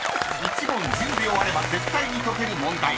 ［１問１０秒あれば絶対に解ける問題］